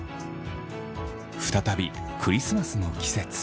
再びクリスマスの季節。